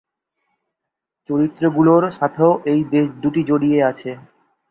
চরিত্রগুলোর সাথেও এই দেশ দুটি জড়িয়ে আছে।